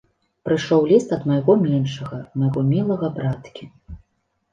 Прыйшоў ліст ад майго меншага, майго мілага браткі.